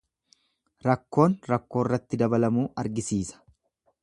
Rakkoon rakkoorratti dabalamuu argisiisa.